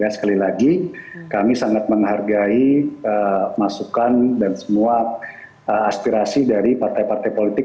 sekali lagi kami sangat menghargai masukan dan semua aspirasi dari partai partai politik